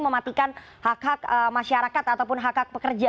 mematikan hak hak masyarakat ataupun hak hak pekerja